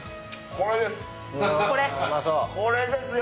これですよ。